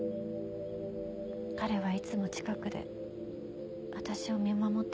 彼はいつも近くで私を見守ってくれてた。